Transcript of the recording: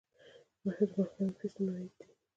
د محکمې فیسونه عاید دی